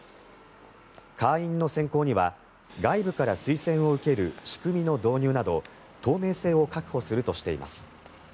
会員の選考には外部から推薦を受ける仕組みの導入など透明性を確保するとしています。